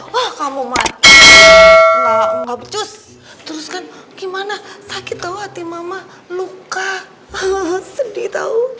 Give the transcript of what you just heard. wah kamu mah gak becus terus kan gimana sakit tau hati mama luka sedih tau